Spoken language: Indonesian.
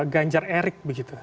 ganjar erik begitu